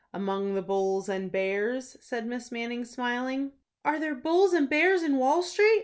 "Among the bulls and bears," said Miss Manning, smiling. "Are there bulls and bears in Wall Street?"